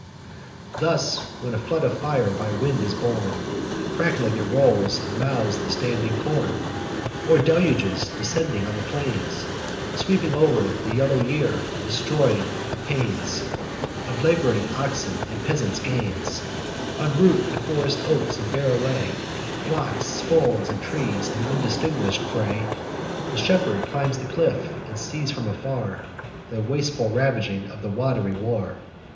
Thus, when a flood of fire by wind is borne, Crackling it rolls, and mows the standing corn; Or deluges, descending on the plains, Sweep o'er the yellow ear, destroy the pains Of lab'ring oxen and the peasant's gains; Unroot the forest oaks, and bear away Flocks, folds, and trees, and undistinguish'd prey: The shepherd climbs the cliff, and sees from far The wasteful ravage of the wat'ry war.